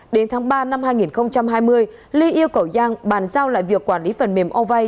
đến tháng ba năm hai nghìn hai mươi ly yêu cầu giang bàn giao lại việc quản lý phần mềm ova